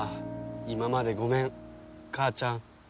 今までごめん母ちゃん。